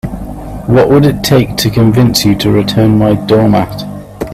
What would it take to convince you to return my doormat?